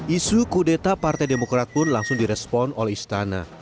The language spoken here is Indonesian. isu kudeta partai demokrat pun langsung direspon oleh istana